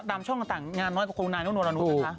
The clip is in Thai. กับดำช่องต่างงานน้อยกับคุณหน้านุ่นวรนุษย์น่ะคะ